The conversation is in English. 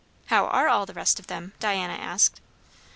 "How are all the rest of them?" Diana asked.